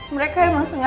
mereka emang sengaja